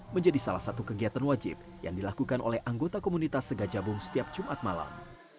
menjadi salah satu kegiatan wajib yang dilakukan oleh anggota komunitas segajabung setiap jumat malam